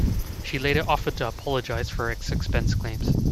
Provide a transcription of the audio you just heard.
She later offered to apologise for her expense claims.